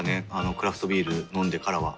クラフトビール飲んでからは。